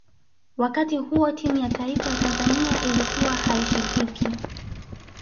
wakati huo timu ya taifa ya tanzania ilikuwa haishikiki